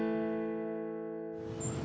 udah pernah beli cuma ditolak